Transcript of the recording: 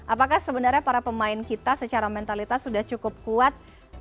apakah sebenarnya para pemain kita secara mentalitas sudah cukup kuat